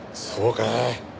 そうかい。